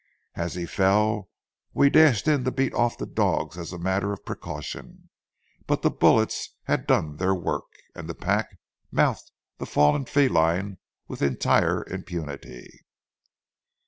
As he fell, we dashed in to beat off the dogs as a matter of precaution, but the bullets had done their work, and the pack mouthed the fallen feline with entire impunity.